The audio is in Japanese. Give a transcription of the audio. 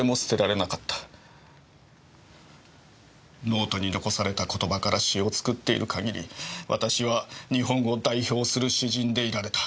ノートに残された言葉から詩を作っている限り私は「日本を代表する詩人」でいられた。